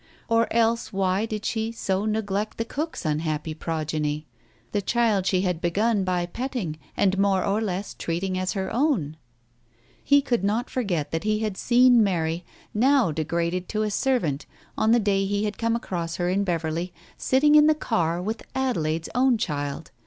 Or else why did she so neglect the cook's unhappy progeny, the child she had begun by petting, Digitized by Google 268 TALES OF THE UNEASY and more or less treating as her own ? He could not forget that he had seen Mary, now degraded to a servant, on the day he had come across her in Beverley, sitting in the car with Adelaide's own child.